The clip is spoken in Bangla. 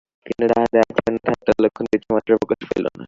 কিন্তু তাহাদের আচরণে ঠাট্টার লক্ষণ কিছুমাত্র প্রকাশ পাইল না।